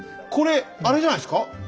これあれじゃないですか？